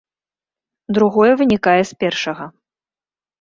Другое вынікае з першага.